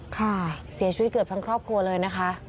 ค่ะเสียชีวิตเกือบทั้งครอบครัวเลยนะคะ